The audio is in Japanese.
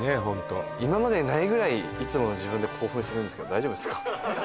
ホント今までにないぐらいいつもの自分で興奮してるんですけど大丈夫ですか？